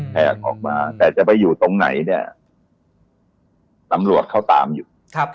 แหกออกมาแต่จะไปอยู่ตรงไหนเนี่ยตำรวจเขาตามอยู่